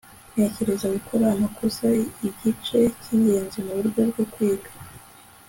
ntekereza gukora amakosa igice cyingenzi muburyo bwo kwiga. (al_ex_an_der